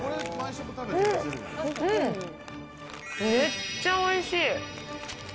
めっちゃおいしい！